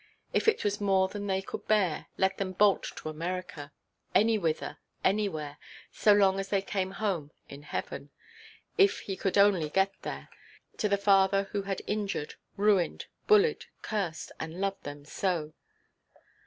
If it was more than they could bear, let them bolt to America. Anywhither, anywhere, so long as they came home in heaven—if he could only get there—to the father who had injured, ruined, bullied, cursed, and loved them so.